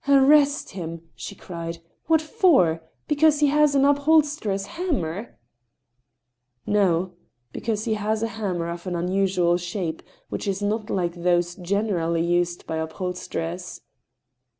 "Arrest him!" she cried. "W^hat for? Because he has an upholsterer's hammer ?"*' No ; because he has a hammer of an unusual shape, which is not like those generally used by upholsterers."